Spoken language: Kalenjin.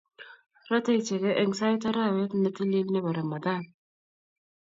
Rotei icheke eng' saet arawet ne tilil nebo Rmadhan